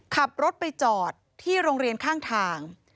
ขับรถไปจอดที่โรงเรียนข้างทาง